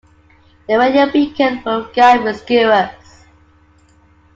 The radio beacon would guide rescuers.